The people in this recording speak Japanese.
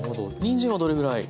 にんじんはどれぐらい？